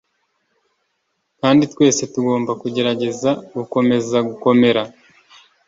kandi twese tugomba kugerageza gukomeza gukomera